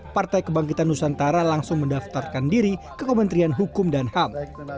partai kebangkitan nusantara langsung mendaftarkan diri ke kementerian hukum dan ham